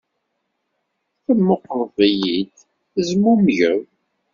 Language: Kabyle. Temmuqqleḍ-iyi-d, tezmumgeḍ.